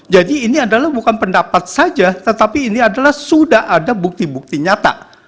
jadi ini adalah bukan pendapat saja tetapi ini adalah sudah ada bukti bukti nyata